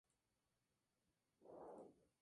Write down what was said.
En cambio, las partículas duras atraviesan al paciente.